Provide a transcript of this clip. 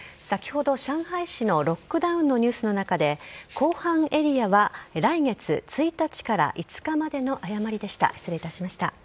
先ほど、上海市のロックダウンのニュースの中で、後半エリアは来月１日から５日までの誤りでした。